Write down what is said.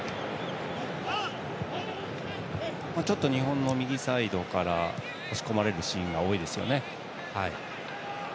ちょっと日本の右サイドから押し込まれるシーンが多いですよね。